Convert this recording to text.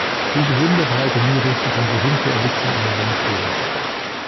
Diese Wunde verheilte nie richtig und so hinkte er bis zum Ende seines Lebens.